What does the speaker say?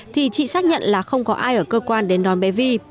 thì chị xác nhận là không có ai ở cơ quan đến đón bé vi